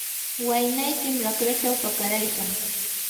waynaykim raqrachaw pakaraykan.